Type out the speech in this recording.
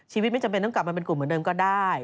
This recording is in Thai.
ไม่จำเป็นต้องกลับมาเป็นกลุ่มเหมือนเดิมก็ได้